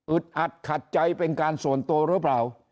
อัดขัดใจเป็นการส่วนตัวหรือเปล่า